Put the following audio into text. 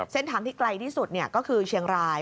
เส้นทางที่ไกลที่สุดก็คือเชียงราย